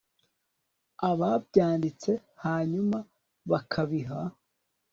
ababyanditse hanyuma bakabiha